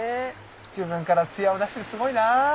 自分からツヤを出してすごいな。